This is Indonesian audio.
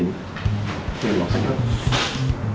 mari masukin dulu